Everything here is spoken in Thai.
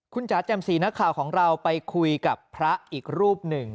คุณจ๋าแจ่มสีนักข่าวของเราไปคุยกับพระอีกรูปหนึ่ง